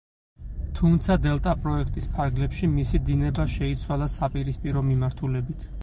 თუმცა დელტაპროექტის ფარგლებში მისი დინება შეიცვალა საპირისპირო მიმართულებით.